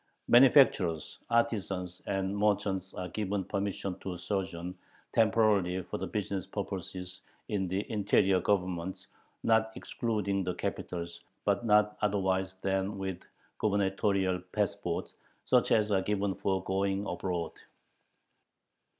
Manufacturers, artisans, and merchants are given permission to sojourn temporarily for business purposes in "the interior Governments, not excluding the capitals, but not otherwise than with gubernatorial passports," such as are given for going abroad.